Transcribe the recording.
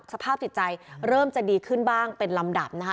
สภาพจิตใจเริ่มจะดีขึ้นบ้างเป็นลำดับนะคะ